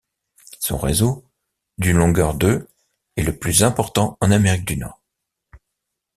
Son réseau, d'une longueur de est le plus important en Amérique du Nord.